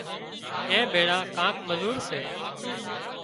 اين ڀيۯا ڪانڪ مزور سي